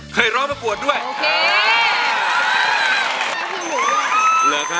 เคยร้องกับปวดแล้วค่ะ